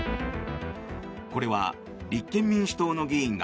これは立憲民主党の議員が